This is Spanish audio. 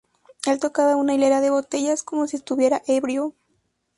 Él tocaba una hilera de botellas, como si estuviera ebrio.